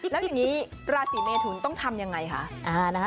แล้วอย่างนี้ราศีเมทุนต้องทำยังไงคะ